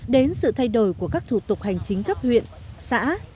đến sự thay đổi của các thủ tục hành chính gấp huyện xã